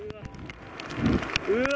うわ！